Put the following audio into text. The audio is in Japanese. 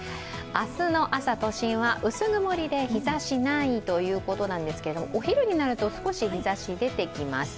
明日の朝、都心は薄曇りで日ざしないということなんですけどお昼になると少し日ざし、出てきます。